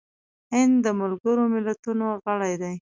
هند د ملګرو ملتونو غړی دی.